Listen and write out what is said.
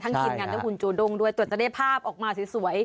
ทีมงานและคุณจูด้งด้วยตรวจจะได้ภาพออกมาสวย